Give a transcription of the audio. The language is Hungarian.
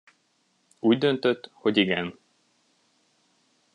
Úgy döntött, hogy igen.